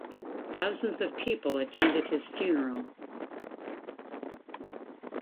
Thousands of people attended his funeral.